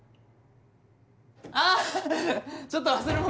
あぁははっちょっと忘れ物。